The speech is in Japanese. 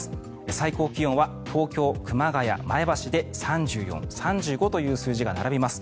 最高気温は東京、熊谷、前橋で３４、３５という数字が並びます。